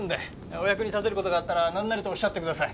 お役に立てることがあったら何なりとおっしゃってください。